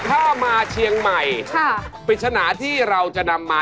ถ้ามาเชียงใหม่ปริศนาที่เราจะนำมา